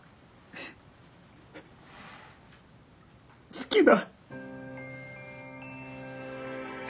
好きだ。